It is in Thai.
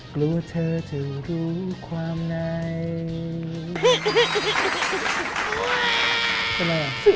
กลัวเธอจะรู้ความใน